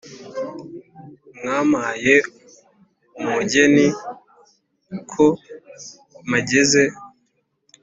mwampaye umugeni.ko mageze